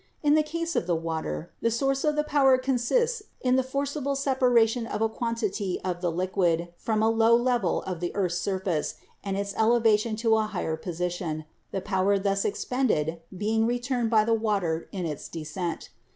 In the case of the water, the source of the power consists in the forcible separation of a quantity of the liquid from a low level of the earth's surface, and its elevation to a higher position, the power thus expended being returned by the water in its descent.